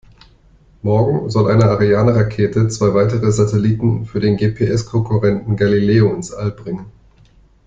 Morgen soll eine Ariane-Rakete zwei weitere Satelliten für den GPS-Konkurrenten Galileo ins All bringen.